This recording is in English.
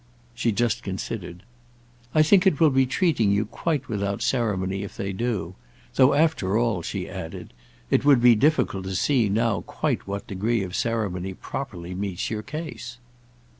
She just considered. "I think it will be treating you quite without ceremony if they do; though after all," she added, "it would be difficult to see now quite what degree of ceremony properly meets your case."